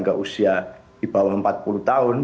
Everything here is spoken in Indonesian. ke usia di bawah empat puluh tahun